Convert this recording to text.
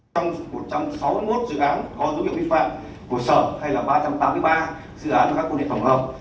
trong một trăm sáu mươi một dự án có dụng hiệu vi phạm của sở hay là ba trăm tám mươi ba dự án của các công nghệ phòng hợp